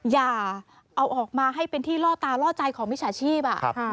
อย่าเอาออกมาให้เป็นที่ล่อตาล่อใจของมิจฉาชีพ